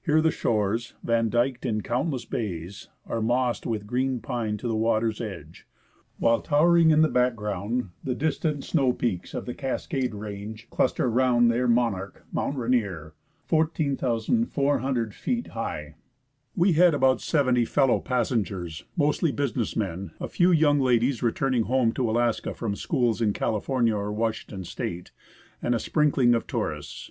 Here the shores, vandyked in count less bays, are mossed with green pine to the water's edge, while towering in the background, the distant snow peaks of the Cascade SUNSET IN PUGET SOUND. Range cluster round their monarch, Mount Rainier (14,400 feet high). We had about seventy fellow passengers, mostly business men, a few young ladies returning home to Alaska from schools in Cali fornia or Washington State, and a sprinkling of tourists.